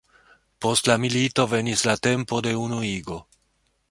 Post la milito venis la tempo de unuigo.